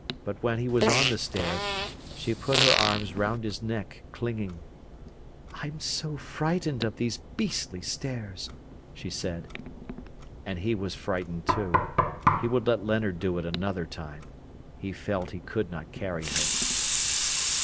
But when he was on the stairs, she put her arms round his neck, clinging. "I'm so frightened of these beastly stairs," she said. And he was frightened, too. He would let Leonard do it another time. He felt he could not carry her.